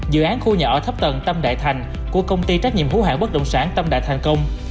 dự án khu nhà ở thấp tầng tâm đại thành của công ty trách nhiệm hữu hạng bất động sản tâm đại thành công